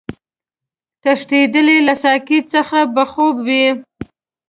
تښتېدلی له ساقي څخه به خوب وي